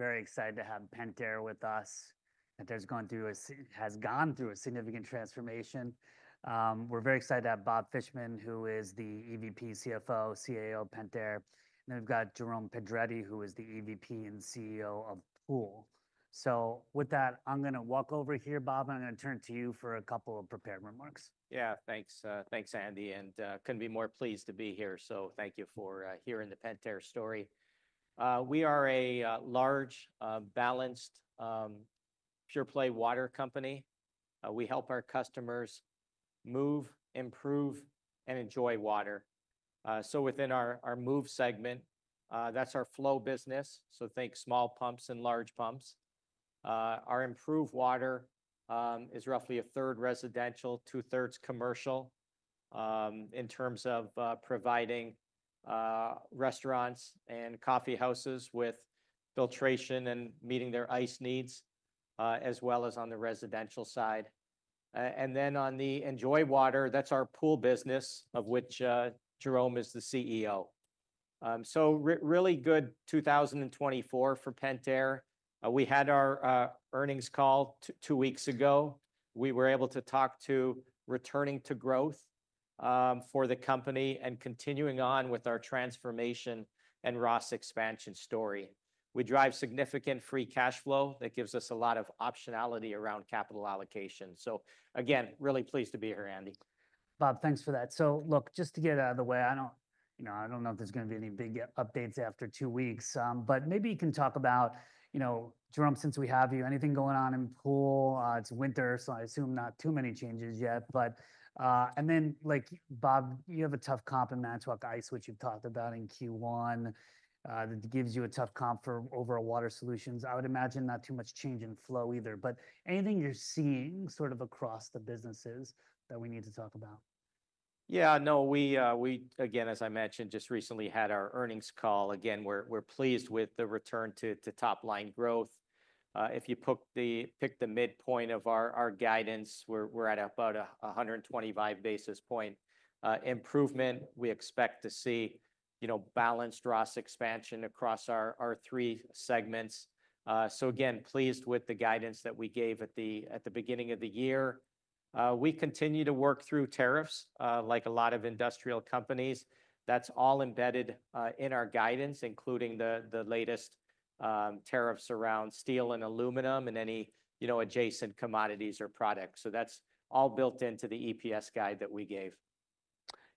We're very excited to have Pentair with us. Pentair has gone through a significant transformation. We're very excited to have Bob Fishman, who is the EVP/CFO/CAO of Pentair, and then we've got Jerome Pedretti, who is the EVP and CEO of Pool, so with that, I'm going to walk over here, Bob, and I'm going to turn it to you for a couple of prepared remarks. Yeah, thanks. Thanks, Andy. And couldn't be more pleased to be here. So thank you for hearing the Pentair story. We are a large, balanced, pure play water company. We help our customers Move, Improve, and Enjoy Water. So within our Move segment, that's our flow business. So think small pumps and large pumps. Our Improve Water is roughly a third residential, two-thirds commercial in terms of providing restaurants and coffee houses with filtration and meeting their ice needs, as well as on the residential side. And then on the Enjoy Water, that's our Pool business, of which Jerome is the CEO. So really good 2024 for Pentair. We had our earnings call two weeks ago. We were able to talk about returning to growth for the company and continuing on with our transformation and ROS expansion story. We drive significant free cash flow that gives us a lot of optionality around capital allocation. So again, really pleased to be here, Andy. Bob, thanks for that. So look, just to get out of the way, I don't know if there's going to be any big updates after two weeks, but maybe you can talk about, you know, Jerome, since we have you, anything going on in Pool? It's winter, so I assume not too many changes yet. But, and then like, Bob, you have a tough comp in Manitowoc Ice, which you've talked about in Q1. That gives you a tough comp for overall Water Solutions. I would imagine not too much change in flow either. But anything you're seeing sort of across the businesses that we need to talk about? Yeah, no, we, again, as I mentioned, just recently had our earnings call. Again, we're pleased with the return to top line growth. If you pick the midpoint of our guidance, we're at about a 125 basis point improvement. We expect to see, you know, balanced ROS expansion across our three segments. Again, pleased with the guidance that we gave at the beginning of the year. We continue to work through tariffs like a lot of industrial companies. That's all embedded in our guidance, including the latest tariffs around steel and aluminum and any, you know, adjacent commodities or products. So that's all built into the EPS guide that we gave.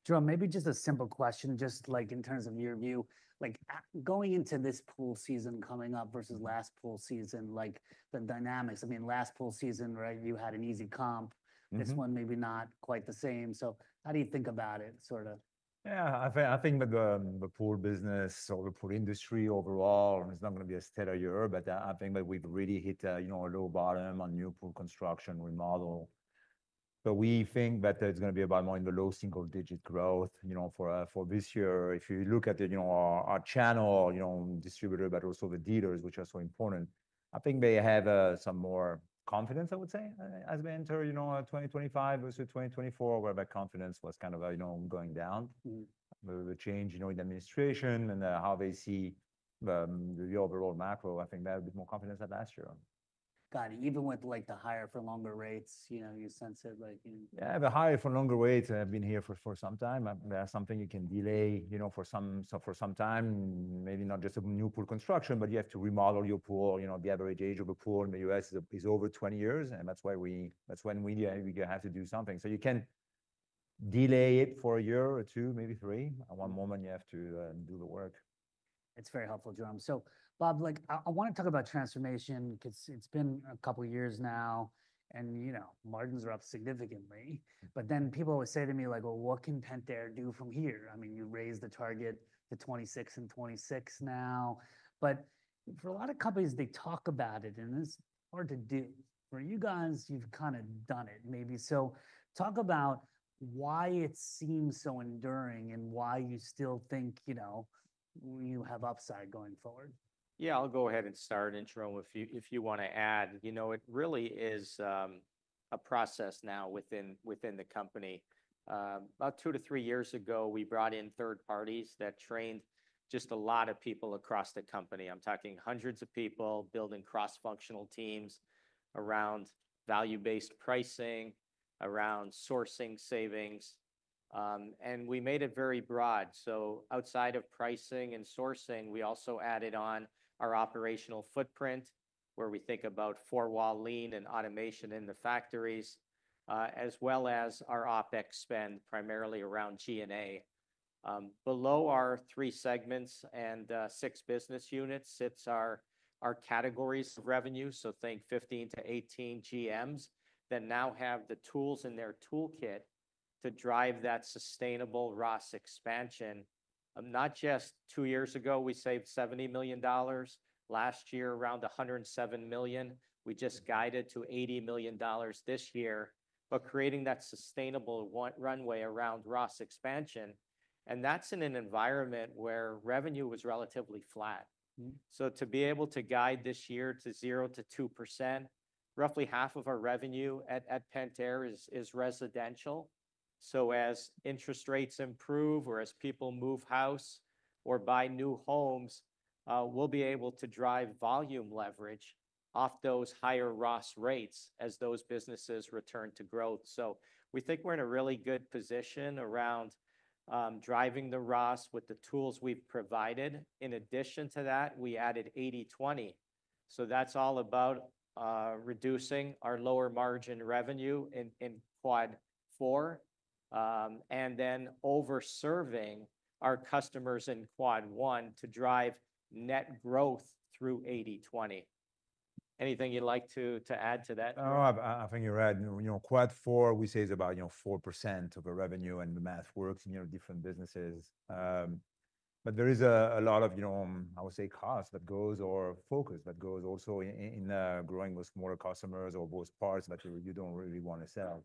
Jerome, maybe just a simple question, just like in terms of your view, like going into this Pool season coming up versus last Pool season, like the dynamics. I mean, last Pool season, right, you had an easy comp. This one may be not quite the same. So how do you think about it, sort of? Yeah, I think that the Pool business or the Pool industry overall is not going to be a steady year, but I think that we've really hit a low bottom on new Pool construction remodel. But we think that it's going to be about more in the low single digit growth, you know, for this year. If you look at the, you know, our channel, you know, distributor, but also the dealers, which are so important, I think they have some more confidence, I would say, as we enter, you know, 2025 versus 2024, where my confidence was kind of, you know, going down. The change, you know, in administration and how they see the overall macro, I think they have a bit more confidence than last year. Got it. Even with like the higher for longer rates, you know, you sense it like. Yeah, the higher for longer rates, I've been here for some time. That's something you can delay, you know, for some time, maybe not just a new Pool construction, but you have to remodel your Pool. You know, the average age of a Pool in the U.S. is over 20 years. And that's why we, that's when we have to do something. So you can delay it for a year or two, maybe three. At one moment, you have to do the work. It's very helpful, Jerome. So Bob, like I want to talk about transformation because it's been a couple of years now and, you know, margins are up significantly. But then people always say to me like, well, what can Pentair do from here? I mean, you raised the target to 26 and 26 now. But for a lot of companies, they talk about it and it's hard to do. For you guys, you've kind of done it maybe. So talk about why it seems so enduring and why you still think, you know, you have upside going forward. Yeah, I'll go ahead and start, Jerome, if you want to add. You know, it really is a process now within the company. About two to three years ago, we brought in third parties that trained just a lot of people across the company. I'm talking hundreds of people building cross-functional teams around value-based pricing, around sourcing savings. And we made it very broad. So outside of pricing and sourcing, we also added on our operational footprint where we think about four-wall lean and automation in the factories, as well as our OpEx spend primarily around G&A. Below our three segments and six business units sits our categories of revenue. So think 15-18 GMs that now have the tools in their toolkit to drive that sustainable ROS expansion. Not just two years ago, we saved $70 million. Last year, around $107 million. We just guided to $80 million this year, but creating that sustainable runway around ROS expansion. And that's in an environment where revenue was relatively flat. So to be able to guide this year to 0%-2%, roughly half of our revenue at Pentair is residential. So as interest rates improve or as people move house or buy new homes, we'll be able to drive volume leverage off those higher ROS rates as those businesses return to growth. So we think we're in a really good position around driving the ROS with the tools we've provided. In addition to that, we added 80/20. So that's all about reducing our lower margin revenue in Quad 4 and then overserving our customers in Quad 1 to drive net growth through 80/20. Anything you'd like to add to that? No, I think you're right. You know, Quad 4, we say is about, you know, 4% of the revenue and the math works in different businesses. But there is a lot of, you know, I would say cost that goes or focus that goes also in growing those smaller customers or those parts that you don't really want to sell.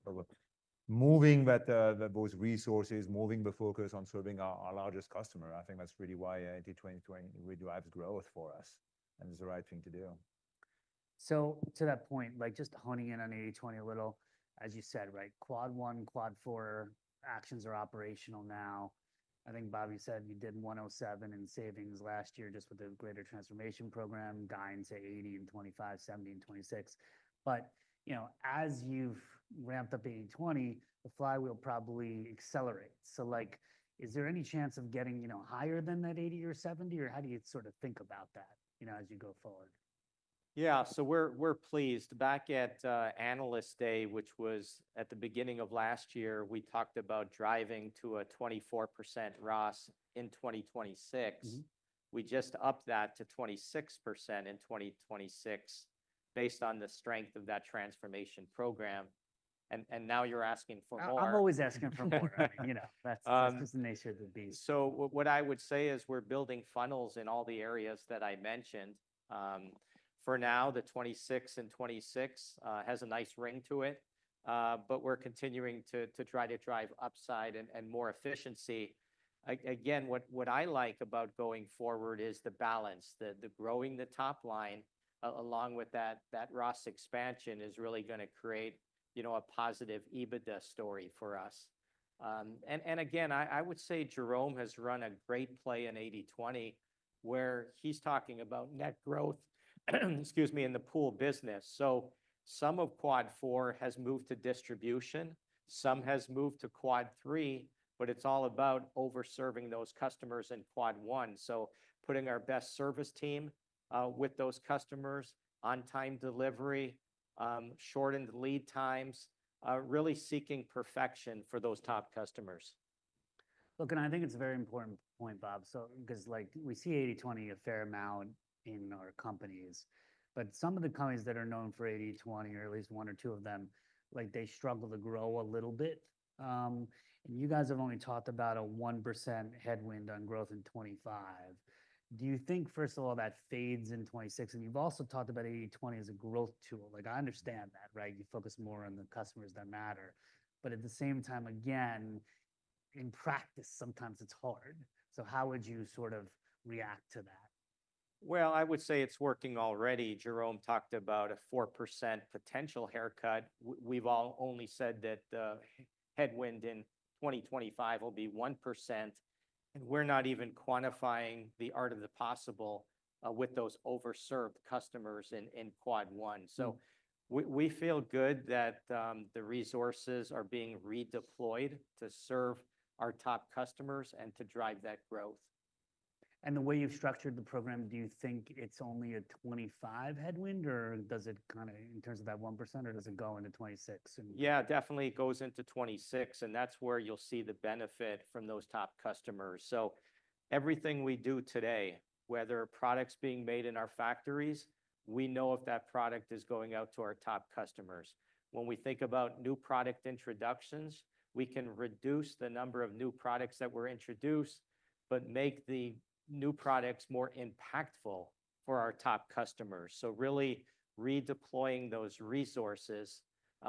Moving those resources, moving the focus on serving our largest customer, I think that's really why 80/20 redrives growth for us and it's the right thing to do. So to that point, like just honing in on 80/20 a little, as you said, right, Quad 1, Quad 4, actions are operational now. I think Bobby said you did 107 in savings last year just with the greater transformation program, driving to 80 and 25, 70 and 26. But, you know, as you've ramped up 80/20, the flywheel probably accelerates. So like, is there any chance of getting, you know, higher than that 80 or 70 or how do you sort of think about that, you know, as you go forward? Yeah, so we're pleased. Back at analyst day, which was at the beginning of last year, we talked about driving to a 24% ROS in 2026. We just upped that to 26% in 2026 based on the strength of that transformation program. And now you're asking for more. I'm always asking for more. You know, that's just the nature of the beast. So what I would say is we're building funnels in all the areas that I mentioned. For now, the 26 and 26 has a nice ring to it, but we're continuing to try to drive upside and more efficiency. Again, what I like about going forward is the balance, the growing the top line, along with that ROS expansion is really going to create, you know, a positive EBITDA story for us. And again, I would say Jerome has run a great play in 80/20 where he's talking about net growth, excuse me, in the Pool business. So some of Quad 4 has moved to distribution, some has moved to Quad 3, but it's all about overserving those customers in Quad 1. So putting our best service team with those customers on time delivery, shortened lead times, really seeking perfection for those top customers. Look, and I think it's a very important point, Bob, because like we see 80/20 a fair amount in our companies, but some of the companies that are known for 80/20 or at least one or two of them, like they struggle to grow a little bit. And you guys have only talked about a 1% headwind on growth in 2025. Do you think, first of all, that fades in 2026? And you've also talked about 80/20 as a growth tool. Like I understand that, right? You focus more on the customers that matter. But at the same time, again, in practice, sometimes it's hard. So how would you sort of react to that? I would say it's working already. Jerome talked about a 4% potential haircut. We've all only said that the headwind in 2025 will be 1%. We're not even quantifying the art of the possible with those overserved customers in Quad 1. We feel good that the resources are being redeployed to serve our top customers and to drive that growth. The way you've structured the program, do you think it's only a 2025 headwind or does it kind of, in terms of that 1%, or does it go into 2026? Yeah, definitely it goes into 26. And that's where you'll see the benefit from those top customers. So everything we do today, whether products being made in our factories, we know if that product is going out to our top customers. When we think about new product introductions, we can reduce the number of new products that were introduced, but make the new products more impactful for our top customers. So really redeploying those resources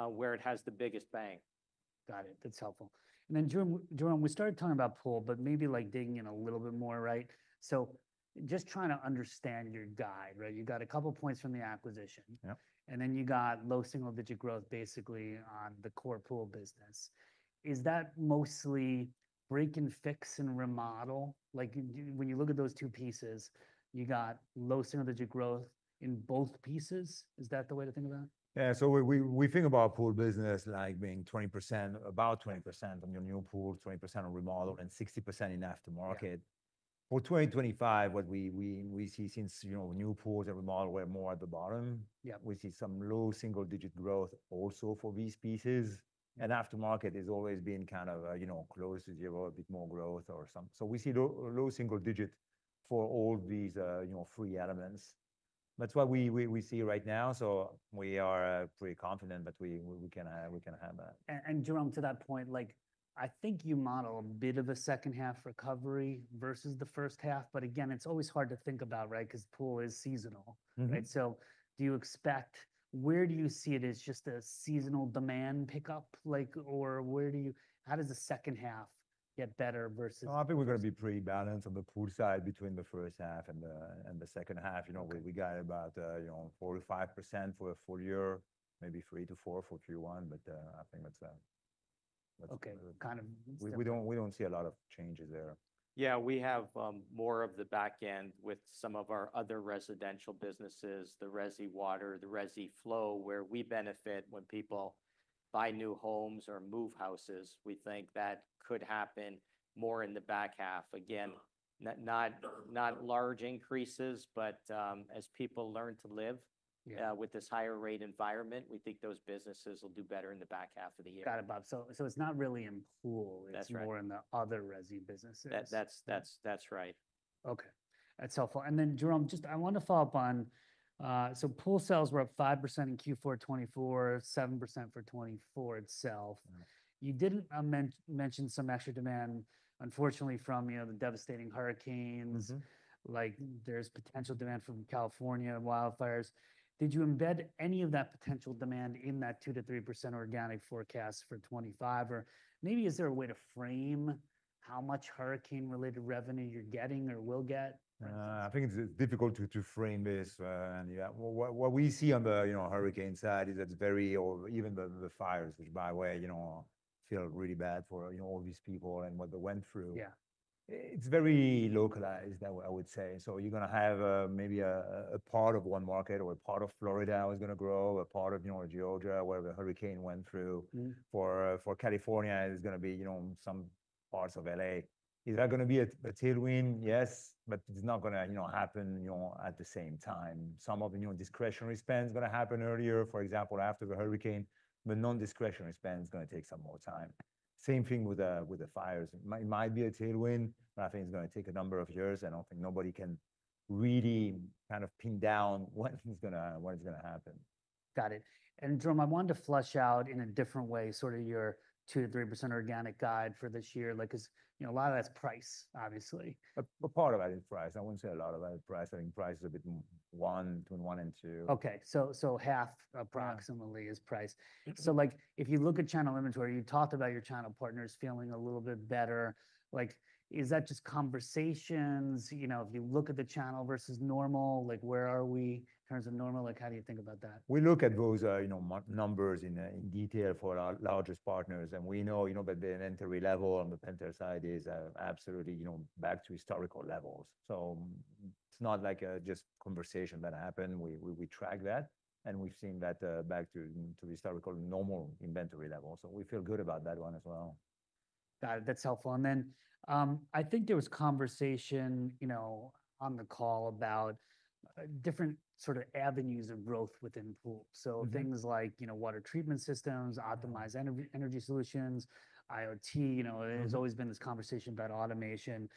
where it has the biggest bang. Got it. That's helpful. And then Jerome, we started talking about Pool, but maybe like digging in a little bit more, right? So just trying to understand your guide, right? You've got a couple of points from the acquisition. yeah And then you got low single digit growth basically on the core Pool business. Is that mostly break and fix and remodel? Like when you look at those two pieces, you got low single digit growth in both pieces. Is that the way to think about it? Yeah. So we think about Pool business like being 20%, about 20% on your new Pool, 20% on remodel, and 60% in aftermarket. For 2025, what we see is, you know, new pools and remodel, we're more at the bottom. We see some low single-digit growth also for these pieces, and aftermarket has always been kind of, you know, close to zero, a bit more growth or something, so we see low single-digit for all these, you know, three elements. That's what we see right now, so we are pretty confident that we can have that. And Jerome, to that point, like I think you model a bit of a second half recovery versus the first half, but again, it's always hard to think about, right? Because Pool is seasonal, right? So do you expect, where do you see it as just a seasonal demand pickup? Like or where do you, how does the second half get better versus? I think we're going to be pretty balanced on the Pool side between the first half and the second half. You know, we got about, you know, 45% for a full year, maybe three to four for Q1, but I think that's a. Okay, kind of. We don't see a lot of changes there. Yeah, we have more of the back end with some of our other residential businesses, the Resi Water, the Resi Flow, where we benefit when people buy new homes or move houses. We think that could happen more in the back half. Again, not large increases, but as people learn to live with this higher rate environment, we think those businesses will do better in the back half of the year. Got it, Bob. So it's not really in Pool. It's more in the other Resi businesses. That's right. Okay. That's helpful. And then, Jerome, just I want to follow up on, so Pool sales were up 5% in Q4 2024, 7% for 2024 itself. You did mention some extra demand, unfortunately, from, you know, the devastating hurricanes. Like there's potential demand from California wildfires. Did you embed any of that potential demand in that 2%-3% organic forecast for 2025? Or maybe is there a way to frame how much hurricane-related revenue you're getting or will get? I think it's difficult to frame this, and what we see on the, you know, hurricane side is that it's very, or even the fires, which by the way, you know, feel really bad for, you know, all these people and what they went through. Yeah, it's very localized, I would say. So you're going to have maybe a part of one market or a part of Florida is going to grow, a part of, you know, Georgia, where the hurricane went through. For California, it's going to be, you know, some parts of LA. Is that going to be a tailwind? Yes, but it's not going to, you know, happen, you know, at the same time. Some of the, you know, discretionary spend is going to happen earlier, for example, after the hurricane, but non-discretionary spend is going to take some more time. Same thing with the fires. It might be a tailwind, but I think it's going to take a number of years. I don't think nobody can really kind of pin down what's going to happen. Got it. And Jerome, I wanted to flesh out in a different way, sort of your 2%-3% organic guide for this year. Like because, you know, a lot of that's price, obviously. A part of that is price. I wouldn't say a lot of that is price. I think price is about one, between one and two. Okay, so half approximately is price, so like if you look at channel inventory, you talked about your channel partners feeling a little bit better. Like, is that just conversations? You know, if you look at the channel versus normal, like where are we in terms of normal? Like, how do you think about that? We look at those, you know, numbers in detail for our largest partners, and we know, you know, that the inventory level on the Pentair side is absolutely, you know, back to historical levels, so it's not like just conversation that happened. We track that, and we've seen that back to historical normal inventory levels, so we feel good about that one as well. That's helpful. And then I think there was conversation, you know, on the call about different sort of avenues of growth within Pool. So things like, you know, water treatment systems, optimized energy solutions, IoT, you know, there's always been this conversation about automation.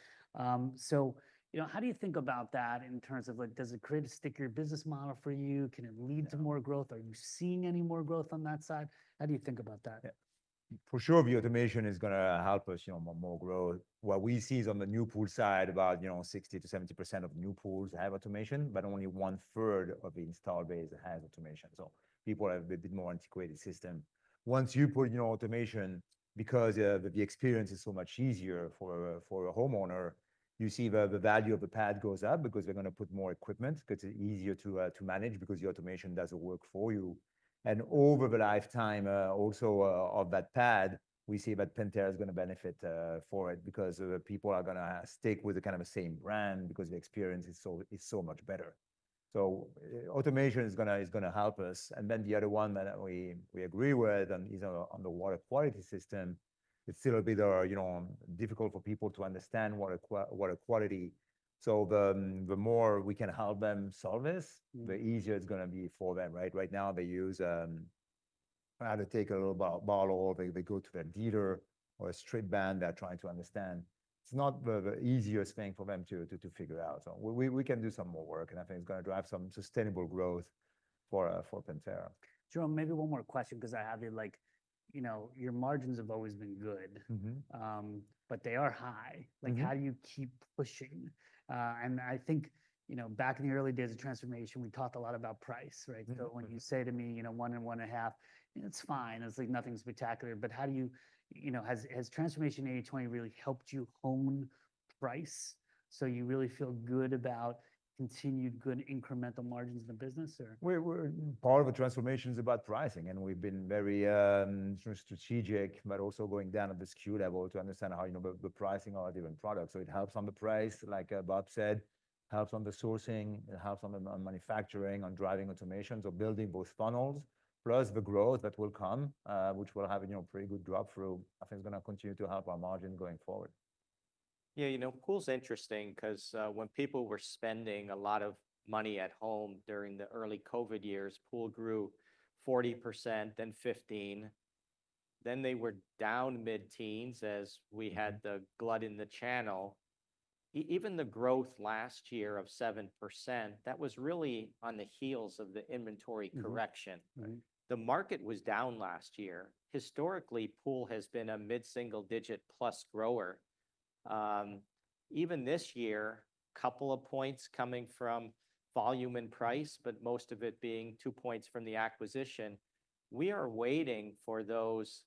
So, you know, how do you think about that in terms of like, does it create a stickier business model for you? Can it lead to more growth? Are you seeing any more growth on that side? How do you think about that? For sure, the automation is going to help us, you know, more growth. What we see is on the new Pool side about, you know, 60%-70% of new Pools have automation, but only one third of the installed base has automation. So people have a bit more antiquated system. Once you put, you know, automation, because the experience is so much easier for a homeowner, you see the value of the pad goes up because they're going to put more equipment because it's easier to manage because the automation doesn't work for you. And over the lifetime also of that pad, we see that Pentair is going to benefit for it because people are going to stick with the kind of same brand because the experience is so much better. So automation is going to help us. And then the other one that we agree with and is on the water quality system. It's still a bit difficult for people to understand water quality. So the more we can help them solve this, the easier it's going to be for them, right? Right now they use how to take a little bottle or they go to their dealer or a test strip but they're trying to understand. It's not the easiest thing for them to figure out. So we can do some more work. And I think it's going to drive some sustainable growth for Pentair. Jerome, maybe one more question because I have it like, you know, your margins have always been good, but they are high. Like how do you keep pushing? And I think, you know, back in the early days of transformation, we talked a lot about price, right? So when you say to me, you know, one and one and a half, it's fine. It's like nothing's spectacular. But how do you, you know, has transformation 80/20 really helped you hone price? So you really feel good about continued good incremental margins in the business or? Part of the transformation is about pricing, and we've been very strategic, but also going down at the SKU level to understand how, you know, the pricing of different products, so it helps on the price, like Bob said, helps on the sourcing, it helps on the manufacturing, on driving automations or building both funnels, plus the growth that will come, which will have a pretty good drop through. I think it's going to continue to help our margin going forward. Yeah, you know, Pool's interesting because when people were spending a lot of money at home during the early COVID years, Pool grew 40%, then 15%. Then they were down mid-teens as we had the glut in the channel. Even the growth last year of 7%, that was really on the heels of the inventory correction. The market was down last year. Historically, Pool has been a mid-single digit plus grower. Even this year, a couple of points coming from volume and price, but most of it being two points from the acquisition. We are waiting for those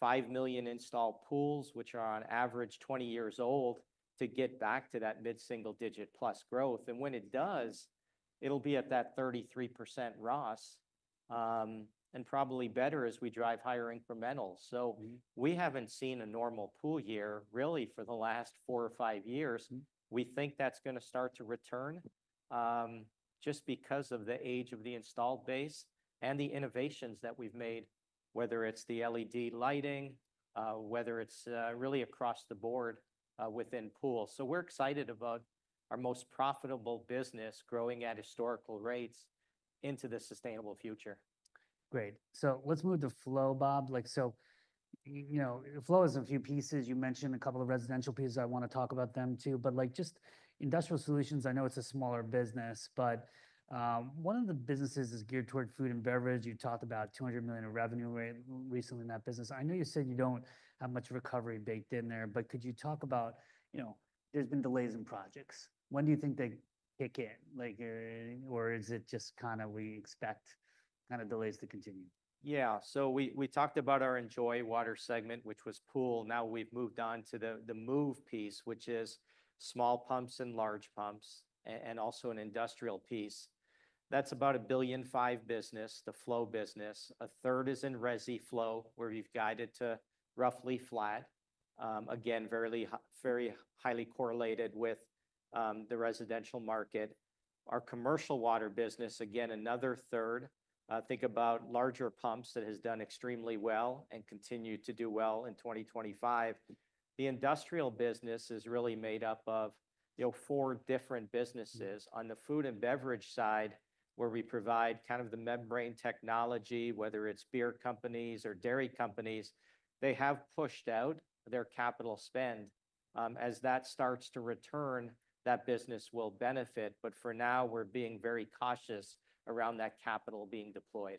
5 million installed Pools, which are on average 20 years old, to get back to that mid-single digit plus growth, and when it does, it'll be at that 33% ROS and probably better as we drive higher incrementals. So we haven't seen a normal Pool year really for the last four or five years. We think that's going to start to return just because of the age of the installed base and the innovations that we've made, whether it's the LED lighting, whether it's really across the board within Pool. So we're excited about our most profitable business growing at historical rates into the sustainable future. Great, so let's move to Flow, Bob. Like, so you know, Flow has a few pieces. You mentioned a couple of residential pieces. I want to talk about them too, but like just Industrial Solutions, I know it's a smaller business, but one of the businesses is geared toward food and beverage. You talked about $200 million in revenue recently in that business. I know you said you don't have much recovery baked in there, but could you talk about, you know, there's been delays in projects. When do you think they kick in? Like, or is it just kind of we expect kind of delays to continue? Yeah. So we talked about our Enjoy Water segment, which was Pool. Now we've moved on to the Move piece, which is small pumps and large pumps and also an industrial piece. That's about a $1.5 billion business, the flow business. A third is in Resi Flow, where we've guided to roughly flat. Again, very highly correlated with the residential market. Our Commercial Water business, again, another third. Think about larger pumps that have done extremely well and continue to do well in 2025. The industrial business is really made up of, you know, four different businesses. On the food and beverage side, where we provide kind of the membrane technology, whether it's beer companies or dairy companies, they have pushed out their capital spend. As that starts to return, that business will benefit. But for now, we're being very cautious around that capital being deployed.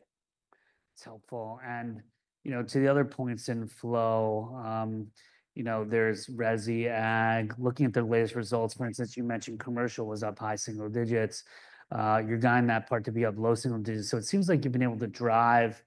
It's helpful, and you know, to the other points in Flow, you know, there's Resi, Ag. Looking at the latest results, for instance, you mentioned commercial was up high single digits. You're guiding that part to be up low single digits. So it seems like you've been able to drive,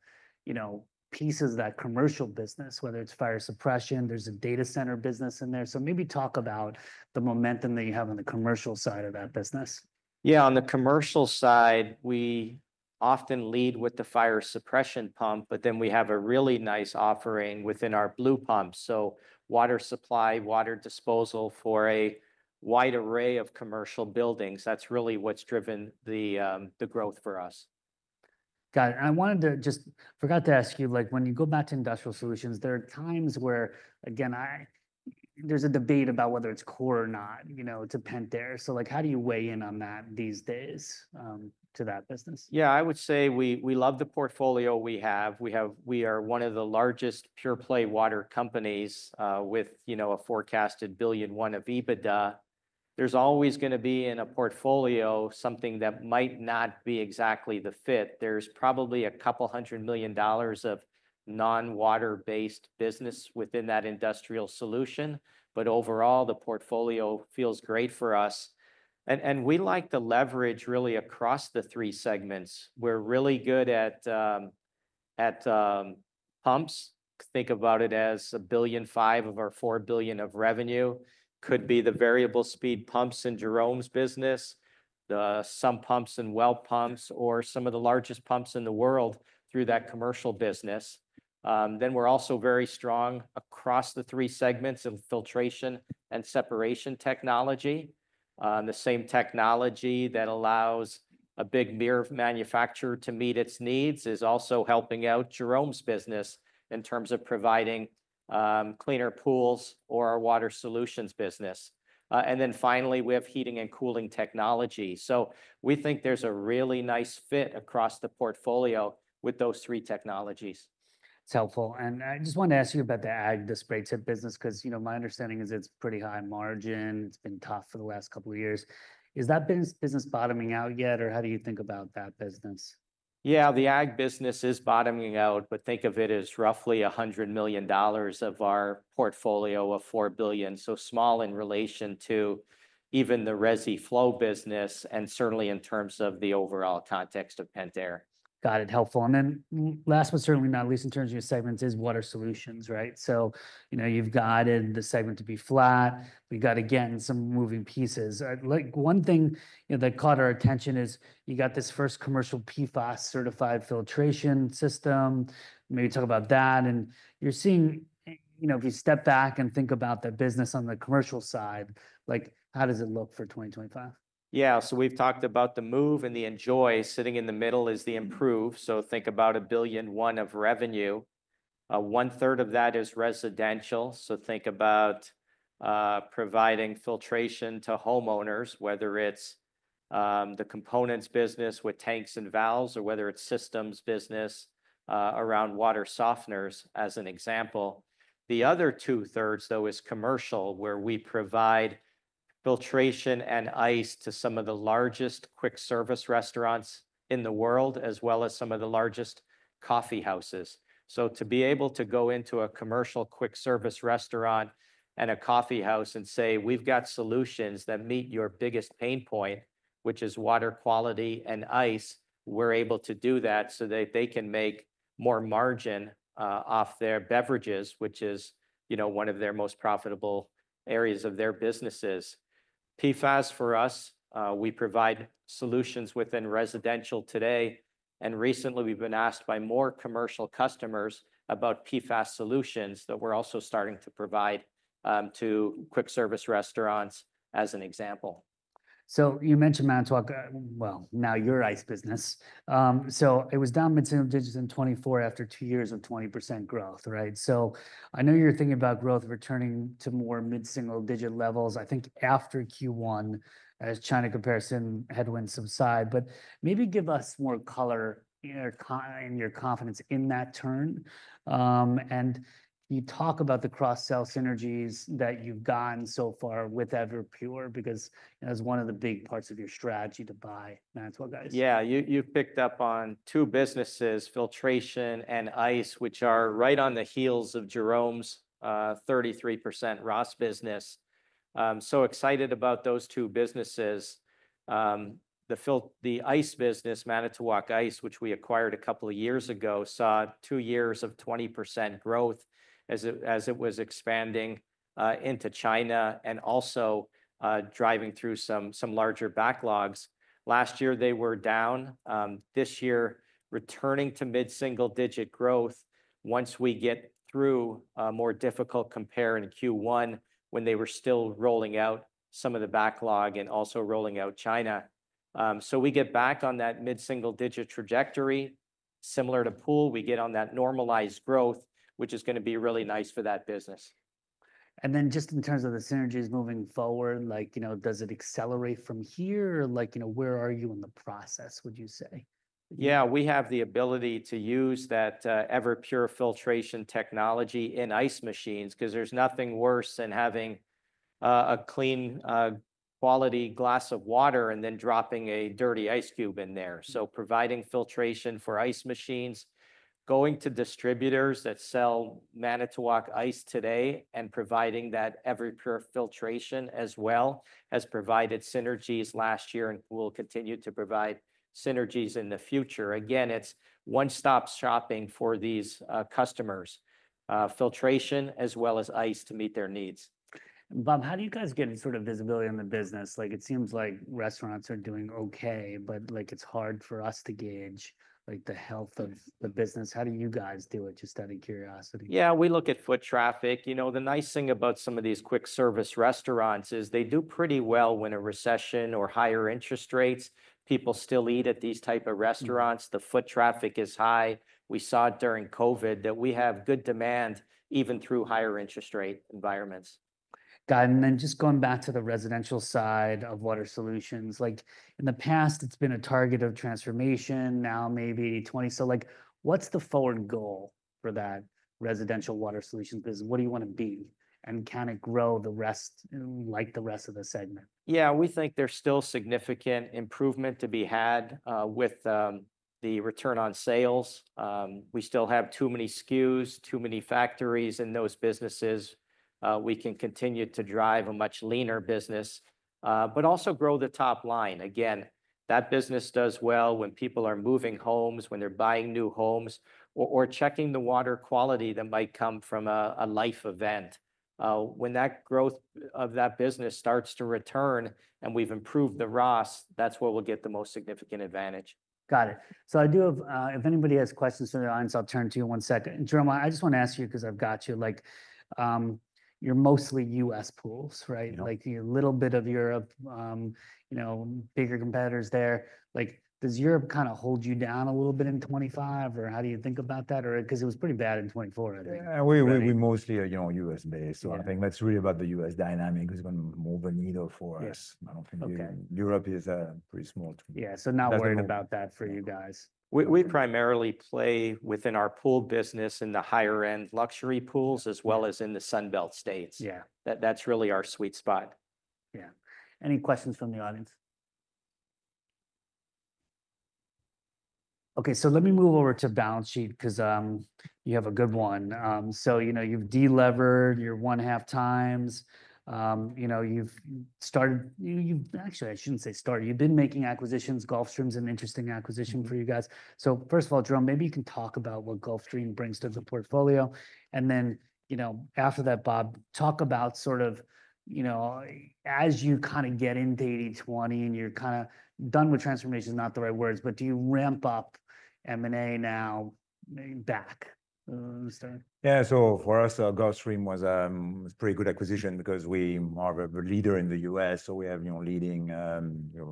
you know, pieces of that commercial business, whether it's fire suppression; there's a data center business in there. So maybe talk about the momentum that you have on the commercial side of that business. Yeah. On the commercial side, we often lead with the fire suppression pump, but then we have a really nice offering within our blue pumps. So water supply, water disposal for a wide array of commercial buildings. That's really what's driven the growth for us. Got it. And I wanted to, just forgot to ask you, like when you go back to Industrial Solutions, there are times where, again, there's a debate about whether it's core or not, you know, to Pentair. So like, how do you weigh in on that these days, to that business? Yeah, I would say we love the portfolio we have. We are one of the largest pure play water companies with, you know, a forecasted $1.1 billion of EBITDA. There's always going to be in a portfolio something that might not be exactly the fit. There's probably a couple hundred million dollars of non-water based business within that Industrial Solutions. But overall, the portfolio feels great for us. And we like to leverage really across the three segments. We're really good at pumps. Think about it as $1.5 billion of our $4 billion of revenue could be the variable speed pumps in Jerome's business, some pumps and well pumps, or some of the largest pumps in the world through that commercial business. Then we're also very strong across the three segments of filtration and separation technology. The same technology that allows a big beer manufacturer to meet its needs is also helping out Jerome's business in terms of providing cleaner Pools or our Water Solutions business, and then finally, we have heating and cooling technology, so we think there's a really nice fit across the portfolio with those three technologies. It's helpful, and I just wanted to ask you about the ag spray tip business because, you know, my understanding is it's pretty high margin. It's been tough for the last couple of years. Is that business bottoming out yet or how do you think about that business? Yeah, the ag business is bottoming out, but think of it as roughly $100 million of our portfolio of $4 billion. So small in relation to even the Resi Flow business and certainly in terms of the overall context of Pentair. Got it. Helpful. And then last but certainly not least in terms of your segments is Water Solutions, right? So, you know, you've guided the segment to be flat. We've got again some moving pieces. Like one thing that caught our attention is you got this first commercial PFAS certified filtration system. Maybe talk about that. And you're seeing, you know, if you step back and think about the business on the commercial side, like how does it look for 2025? Yeah. So we've talked about the Move and the Enjoy. Sitting in the middle is the Improve. So think about $1 billion of revenue. One third of that is residential. So think about providing filtration to homeowners, whether it's the components business with tanks and valves or whether it's systems business around water softeners as an example. The other two thirds though is commercial where we provide filtration and ice to some of the largest quick service restaurants in the world as well as some of the largest coffee houses. So to be able to go into a commercial quick service restaurant and a coffee house and say, we've got solutions that meet your biggest pain point, which is water quality and ice, we're able to do that so that they can make more margin off their beverages, which is, you know, one of their most profitable areas of their businesses. PFAS for us, we provide solutions within residential today. And recently we've been asked by more commercial customers about PFAS solutions that we're also starting to provide to quick service restaurants as an example. So you mentioned Manitowoc. Well, now your ice business. So it was down mid-single digits in 2024 after two years of 20% growth, right? So I know you're thinking about growth returning to more mid-single digit levels. I think after Q1, as China comparison headwinds subside. But maybe give us more color in your confidence in that turn. And you talk about the cross-sell synergies that you've gotten so far with Everpure because that was one of the big parts of your strategy to buy Manitowoc ice. Yeah, you picked up on two businesses, filtration and ice, which are right on the heels of Jerome's 33% ROS business. So excited about those two businesses. The ice business, Manitowoc Ice, which we acquired a couple of years ago, saw two years of 20% growth as it was expanding into China and also driving through some larger backlogs. Last year they were down. This year returning to mid-single digit growth once we get through a more difficult compare in Q1 when they were still rolling out some of the backlog and also rolling out China. So we get back on that mid-single digit trajectory. Similar to Pool, we get on that normalized growth, which is going to be really nice for that business. Just in terms of the synergies moving forward, like, you know, does it accelerate from here? Like, you know, where are you in the process, would you say? Yeah, we have the ability to use that Everpure filtration technology in ice machines because there's nothing worse than having a clean quality glass of water and then dropping a dirty ice cube in there. So providing filtration for ice machines, going to distributors that sell Manitowoc Ice today and providing that Everpure filtration as well has provided synergies last year and will continue to provide synergies in the future. Again, it's one-stop shopping for these customers, filtration as well as ice to meet their needs. Bob, how do you guys get sort of visibility on the business? Like it seems like restaurants are doing okay, but like it's hard for us to gauge like the health of the business. How do you guys do it? Just out of curiosity. Yeah, we look at foot traffic. You know, the nice thing about some of these quick service restaurants is they do pretty well when a recession or higher interest rates. People still eat at these type of restaurants. The foot traffic is high. We saw it during COVID that we have good demand even through higher interest rate environments. Got it. And then just going back to the residential side of Water Solutions, like in the past, it's been a target of transformation, now maybe 20. So like what's the forward goal for that residential water solution business? What do you want to be and kind of grow the rest like the rest of the segment? Yeah, we think there's still significant improvement to be had with the return on sales. We still have too many SKUs, too many factories in those businesses. We can continue to drive a much leaner business, but also grow the top line. Again, that business does well when people are moving homes, when they're buying new homes or checking the water quality that might come from a life event. When that growth of that business starts to return and we've improved the ROS, that's where we'll get the most significant advantage. Got it. So I do have, if anybody has questions for their audience, I'll turn to you in one second. Jerome, I just want to ask you because I've got you, like you're mostly U.S. Pools, right? Like you're a little bit of Europe, you know, bigger competitors there. Like does Europe kind of hold you down a little bit in 2025 or how do you think about that? Or because it was pretty bad in 2024, I think. We mostly are, you know, U.S. based. So I think that's really about the U.S. dynamic is going to move the needle for us. I don't think Europe is a pretty small. Yeah. So not worried about that for you guys. We primarily play within our Pool business in the higher end luxury Pools as well as in the Sunbelt states. Yeah, that's really our sweet spot. Yeah. Any questions from the audience? Okay. So let me move over to balance sheet because you have a good one. So, you know, you've delevered your one and a half times. You know, you've started, you've actually, I shouldn't say started, you've been making acquisitions. Gulfstream is an interesting acquisition for you guys. So first of all, Jerome, maybe you can talk about what Gulfstream brings to the portfolio. And then, you know, after that, Bob, talk about sort of, you know, as you kind of get into 80/20 and you're kind of done with transformation is not the right words, but do you ramp up M&A now back? Yeah, so for us, Gulfstream was a pretty good acquisition because we are a leader in the U.S., so we have, you know, leading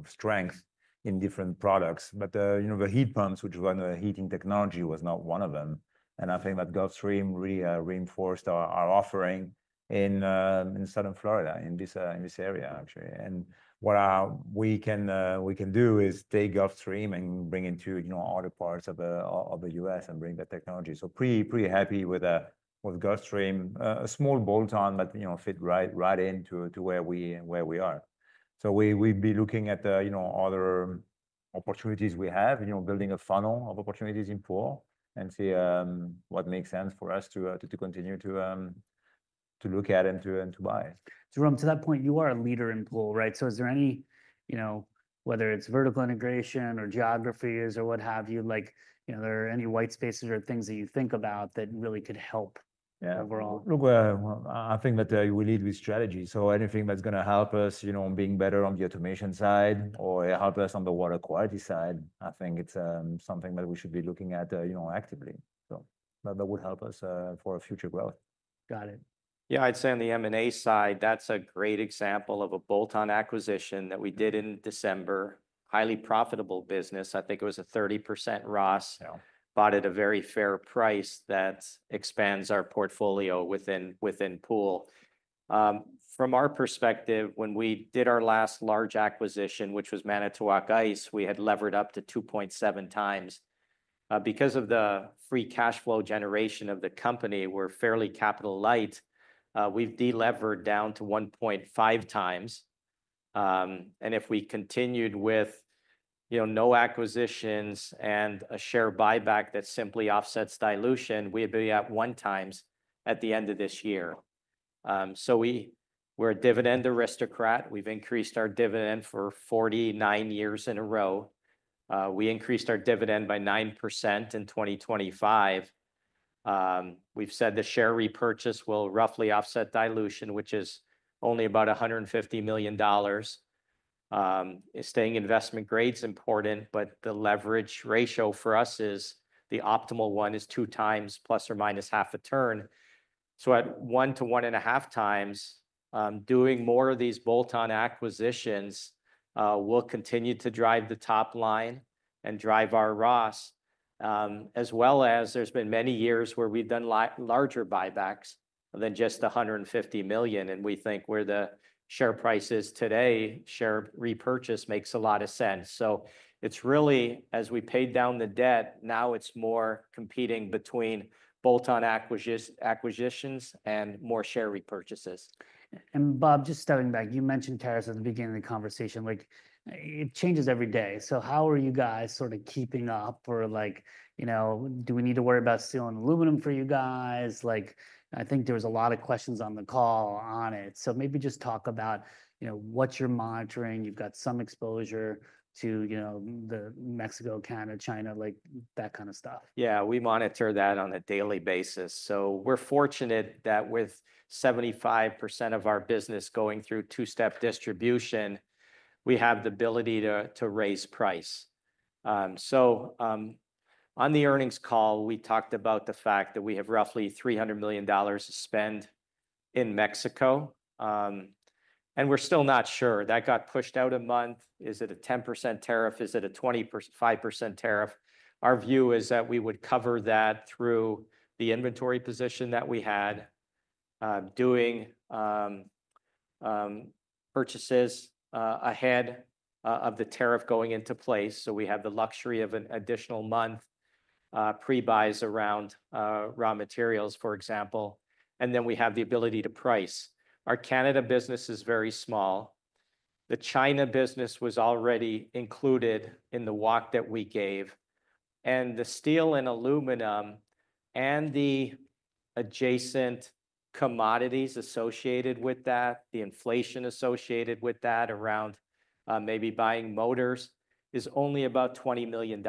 strength in different products, but, you know, the heat pumps, which run the heating technology was not one of them, and I think that Gulfstream really reinforced our offering in Southern Florida in this area, actually, and what we can do is take Gulfstream and bring it to, you know, other parts of the U.S. and bring that technology, so pretty happy with Gulfstream, a small bolt-on, but, you know, fit right into where we are, so we'd be looking at, you know, other opportunities we have, you know, building a funnel of opportunities in Pool and see what makes sense for us to continue to look at and to buy. Jerome, to that point, you are a leader in Pool, right? So is there any, you know, whether it's vertical integration or geographies or what have you, like, you know, there are any white spaces or things that you think about that really could help overall? I think that we lead with strategy. So anything that's going to help us, you know, being better on the automation side or help us on the water quality side, I think it's something that we should be looking at, you know, actively. So that would help us for future growth. Got it. Yeah, I'd say on the M&A side, that's a great example of a bolt-on acquisition that we did in December, highly profitable business. I think it was a 30% ROS, bought at a very fair price that expands our portfolio within Pool. From our perspective, when we did our last large acquisition, which was Manitowoc Ice, we had levered up to 2.7 times. Because of the free cash flow generation of the company, we're fairly capital light. We've delevered down to 1.5 times. And if we continued with, you know, no acquisitions and a share buyback that simply offsets dilution, we'd be at one times at the end of this year. So we're a dividend aristocrat. We've increased our dividend for 49 years in a row. We increased our dividend by 9% in 2025. We've said the share repurchase will roughly offset dilution, which is only about $150 million. Staying investment grade is important, but the leverage ratio for us, the optimal one, is two times plus or minus half a turn. So at one to one and a half times, doing more of these bolt-on acquisitions will continue to drive the top line and drive our ROS, as well as there's been many years where we've done larger buybacks than just $150 million. And we think where the share price is today, share repurchase makes a lot of sense. So it's really, as we paid down the debt, now it's more competing between bolt-on acquisitions and more share repurchases. Bob, just stepping back, you mentioned tariffs at the beginning of the conversation, like it changes every day. So how are you guys sort of keeping up or like, you know, do we need to worry about steel and aluminum for you guys? Like I think there was a lot of questions on the call on it. So maybe just talk about, you know, what you're monitoring. You've got some exposure to, you know, the Mexico, Canada, China, like that kind of stuff. Yeah, we monitor that on a daily basis, so we're fortunate that with 75% of our business going through two-step distribution, we have the ability to raise price, so on the earnings call, we talked about the fact that we have roughly $300 million to spend in Mexico, and we're still not sure. That got pushed out a month. Is it a 10% tariff? Is it a 25% tariff? Our view is that we would cover that through the inventory position that we had doing purchases ahead of the tariff going into place, so we have the luxury of an additional month pre-buys around raw materials, for example, and then we have the ability to price. Our Canada business is very small. The China business was already included in the walk that we gave. And the steel and aluminum and the adjacent commodities associated with that, the inflation associated with that around maybe buying motors is only about $20 million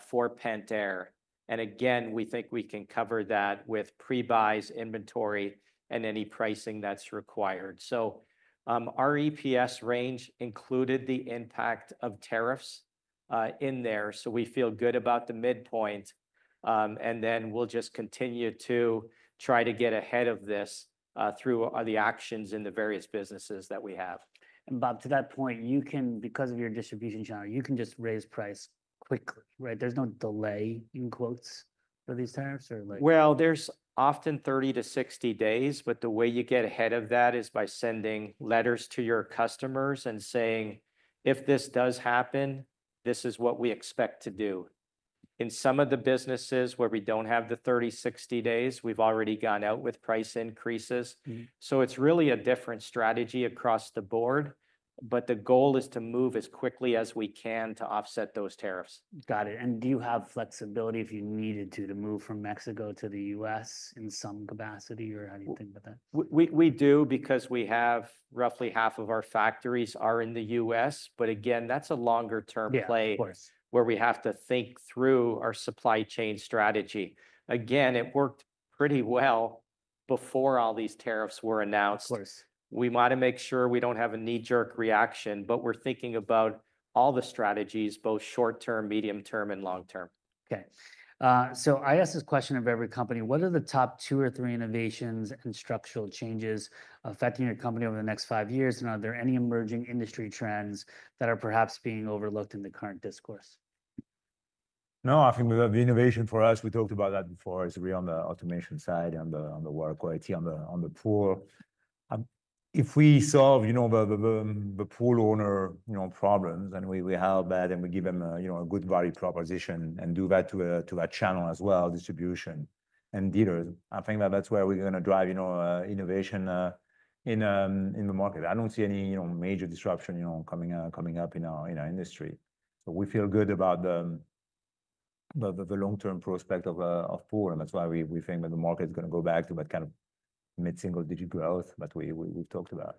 for Pentair. And again, we think we can cover that with pre-buys, inventory, and any pricing that's required. So our EPS range included the impact of tariffs in there. So we feel good about the midpoint. And then we'll just continue to try to get ahead of this through the actions in the various businesses that we have. Bob, to that point, you can, because of your distribution channel, you can just raise price quickly, right? There's no delay in quotes for these tariffs or like. There's often 30-60 days, but the way you get ahead of that is by sending letters to your customers and saying, "If this does happen, this is what we expect to do." In some of the businesses where we don't have the 30-60 days, we've already gone out with price increases. So it's really a different strategy across the board. But the goal is to move as quickly as we can to offset those tariffs. Got it. And do you have flexibility if you needed to move from Mexico to the U.S. in some capacity or how do you think about that? We do because we have roughly half of our factories are in the U.S. But again, that's a longer-term play where we have to think through our supply chain strategy. Again, it worked pretty well before all these tariffs were announced. We want to make sure we don't have a knee-jerk reaction, but we're thinking about all the strategies, both short-term, medium-term, and long-term. Okay. So I asked this question of every company. What are the top two or three innovations and structural changes affecting your company over the next five years? And are there any emerging industry trends that are perhaps being overlooked in the current discourse? No, I think the innovation for us, we talked about that before, is really on the automation side and the water quality on the Pool. If we solve, you know, the Pool owner problems and we help that and we give them a good value proposition and do that to that channel as well, distribution and dealers, I think that that's where we're going to drive, you know, innovation in the market. I don't see any, you know, major disruption, you know, coming up in our industry. So we feel good about the long-term prospect of Pool. And that's why we think that the market is going to go back to that kind of mid-single-digit growth that we've talked about.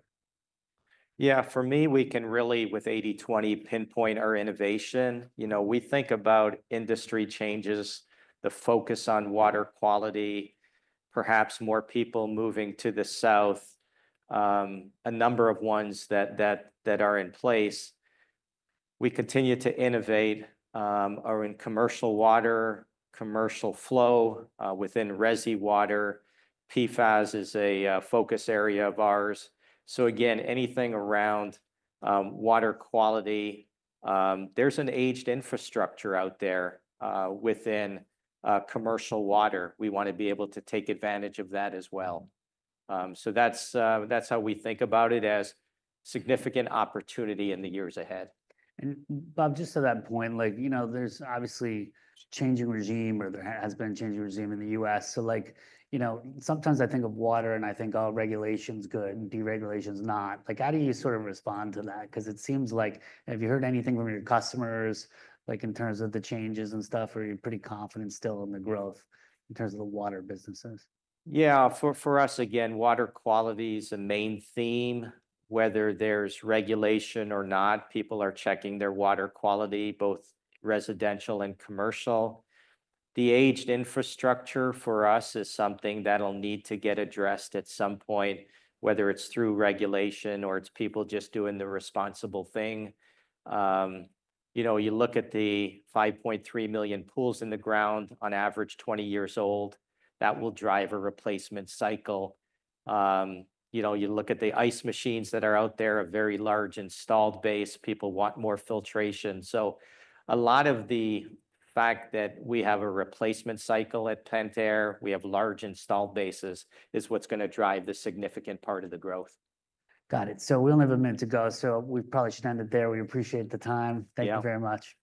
Yeah, for me, we can really with 80/20 pinpoint our innovation. You know, we think about industry changes, the focus on water quality, perhaps more people moving to the south, a number of ones that are in place. We continue to innovate in Commercial Water, commercial flow within Resi Water. PFAS is a focus area of ours. So again, anything around water quality, there's an aged infrastructure out there within Commercial Water. We want to be able to take advantage of that as well. So that's how we think about it as significant opportunity in the years ahead. And Bob, just to that point, like, you know, there's obviously changing regime or there has been a changing regime in the U.S. So like, you know, sometimes I think of water and I think all regulation's good and deregulation's not. Like how do you sort of respond to that? Because it seems like, have you heard anything from your customers, like in terms of the changes and stuff, or are you pretty confident still in the growth in terms of the water businesses? Yeah, for us, again, water quality is a main theme. Whether there's regulation or not, people are checking their water quality, both residential and commercial. The aged infrastructure for us is something that'll need to get addressed at some point, whether it's through regulation or it's people just doing the responsible thing. You know, you look at the 5.3 million in-ground Pools on average 20 years old, that will drive a replacement cycle. You know, you look at the ice machines that are out there, a very large installed base, people want more filtration. So a lot of the fact that we have a replacement cycle at Pentair, we have large installed bases is what's going to drive the significant part of the growth. Got it. So we only have a minute to go. So we probably should end it there. We appreciate the time. Thank you very much.